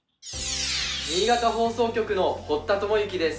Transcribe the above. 新潟放送局の堀田智之です。